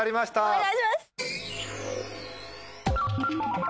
お願いします。